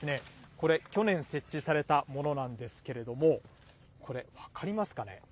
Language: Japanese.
これ、去年設置されたものなんですけれども、これ分かりますかね。